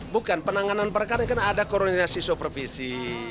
bukan penanganan perkara kan ada koordinasi supervisi